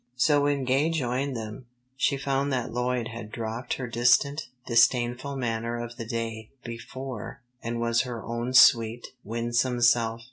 So when Gay joined them she found that Lloyd had dropped her distant, disdainful manner of the day before and was her own sweet, winsome self.